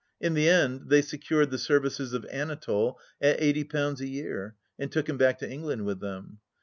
In the end they secured the services of Anatole at £80 a year, and took him back to England with them.